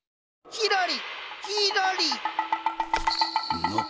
ひらり！